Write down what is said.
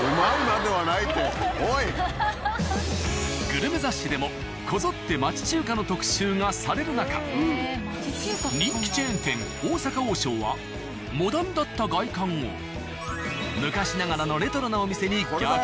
グルメ雑誌でもこぞって町中華の特集がされる中人気チェーン店「大阪王将」はモダンだった外観を昔ながらのレトロなお店に逆リニューアル。